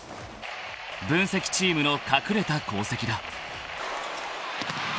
［分析チームの隠れた功績だ］